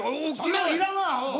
「いらんわ！」